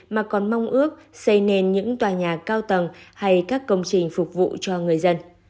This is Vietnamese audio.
mà còn mong ước xây nên những tòa nhà cao tầng hay các công trình phục vụ cho người dân